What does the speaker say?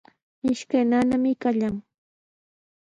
Ishkan ñañami kayan.